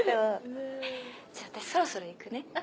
じゃあ私そろそろ行くね。